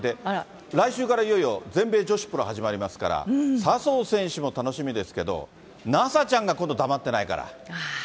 来週からいよいよ、全米女子プロ始まりますから、笹生選手も楽しみですけど、奈紗ちゃんが今度、黙ってないから。